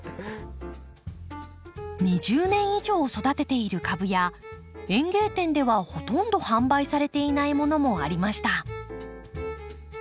２０年以上育てている株や園芸店ではほとんど販売されていないものもありました。